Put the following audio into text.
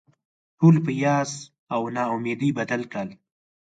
ټول په یاس او نا امیدي بدل کړل.